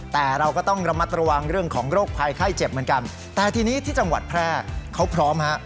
แต่เราก็ต้องระมัดระวังเรื่องของโรคภัยไข้เจ็บเหมือนกันแต่ทีนี้ที่จังหวัดแพร่เขาพร้อมฮะ